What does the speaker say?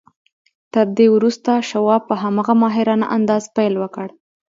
تر دې وروسته شواب په هماغه ماهرانه انداز پیل وکړ